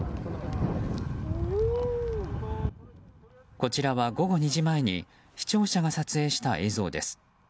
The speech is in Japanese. こちらは午後２時前に視聴者が撮影した映像です。